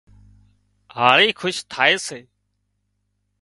هاۯي کُش ٿائي سي